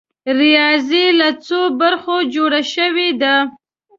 ریاضي له څو برخو جوړه شوې ده؟